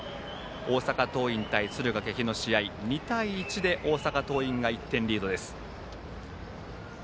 大阪桐蔭対敦賀気比の試合２対１で大阪桐蔭が１点リードです。